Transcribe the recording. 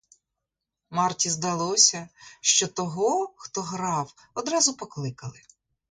Марті здалося, що того, хто грав, одразу покликали.